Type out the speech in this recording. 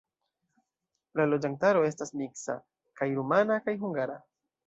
La loĝantaro estas miksa: kaj rumana kaj hungara.